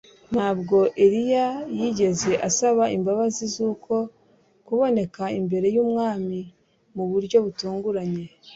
Ntabwo Eliya yigeze asaba imbabazi zuko kuboneka imbere yumwami mu buryo butunguranye